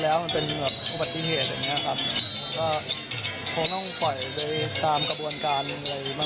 เรียกร้องไปก็กลับมาไม่เหมือนเดิม